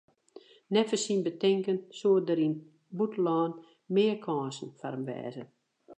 Neffens syn betinken soene der yn it bûtenlân mear kânsen foar him wêze.